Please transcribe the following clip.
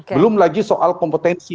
belum lagi soal kompetensi